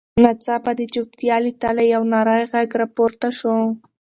ناڅاپه د چوپتیا له تله یو نرۍ غږ راپورته شو.